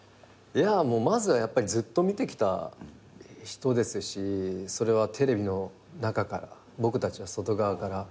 まずはやっぱりずっと見てきた人ですしそれはテレビの中から僕たちは外側から。